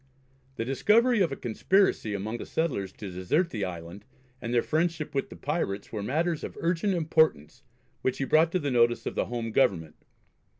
The discovery of a conspiracy among the settlers to desert the island, and their friendship with the pirates, were matters of urgent importance which he brought to the notice of the home Government.